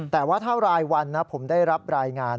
แต่ว่าเท่าไหร่วันผมได้รับรายงาน